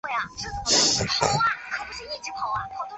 后来电子衍射的结果也证实了这个预言。